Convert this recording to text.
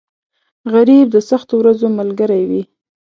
غریب د سختو ورځو ملګری وي